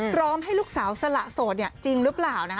พร้อมให้ลูกสาวสละโสดจริงหรือเปล่านะคะ